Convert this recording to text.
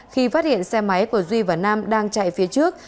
khi phát hiện xe máy của duy và nam đang chạy phía trước